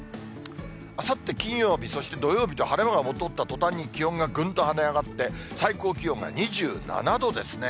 あさって金曜日、そして土曜日と晴れ間が戻ったとたんに気温がぐんと跳ね上がって、最高気温が２７度ですね。